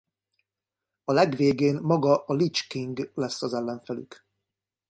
A legvégén maga a Lich King lesz az ellenfelünk.